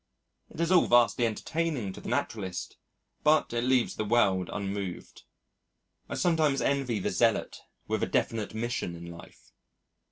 It is all vastly entertaining to the naturalist but it leaves the world unmoved. I sometimes envy the zealot with a definite mission in life.